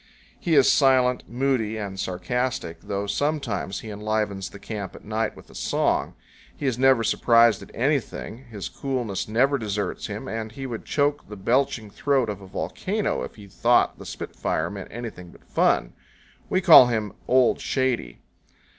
He is silent, moody, and sarcastic, though sometimes he enlivens the camp at night with a song. He is never surprised at anything, his coolness never deserts him, and he would choke the belching throat of a volcano if he thought the spitfire meant anything but fun. We call him "Old Shady."